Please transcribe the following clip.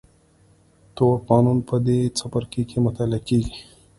تور قانون په دې څپرکي کې مطالعه کېږي.